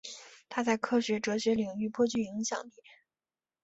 他在科学哲学领域颇具影响力。